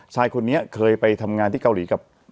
ชายคนนี้เคยไปทำงานที่เกาหลีกับ